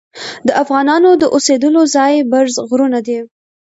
د افغانانو د اوسیدلو ځای برز غرونه دي.